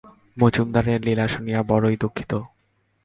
মজুমদারের লীলা শুনিয়া বড়ই দুঃখিত।